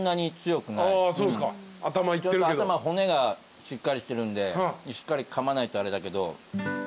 ちょっと頭骨がしっかりしてるんでしっかりかまないとあれだけど。